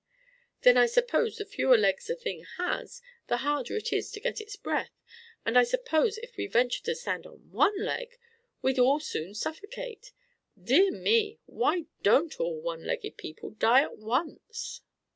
"Then I suppose the fewer legs a thing has, the harder it is to get its breath. And I suppose if we ventured to stand on one leg, we'd all soon suffocate! Dear me! why don't all one legged people die at once!"